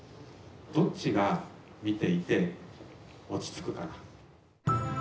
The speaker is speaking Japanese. どっちが見ていて落ち着くかな？